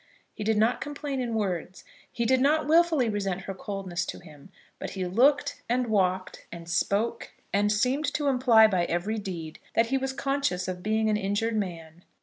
He did not complain in words. He did not wilfully resent her coldness to him. But he looked, and walked, and spoke, and seemed to imply by every deed that he was conscious of being an injured man.